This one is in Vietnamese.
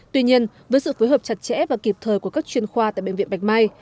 tuy nhiên với sự phối hợp chặt chẽ và kịp thời của các chuyên khoa tại bệnh viện bạch mai